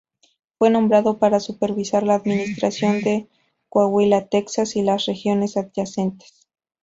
Fue nombrado para supervisar la administración de Coahuila, Texas y las regiones adyacentes.